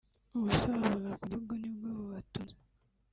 ubusa bavuga ku gihugu nibwo bubatunze